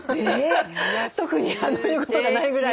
特に言うことがないぐらいに。